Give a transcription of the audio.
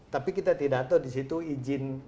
tapi kita tidak tahu di situ izin